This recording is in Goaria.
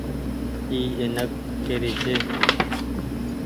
اي اينڪ ڪري ڇي۔